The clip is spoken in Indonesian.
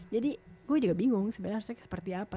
jadi gue juga bingung sebenarnya harusnya seperti apa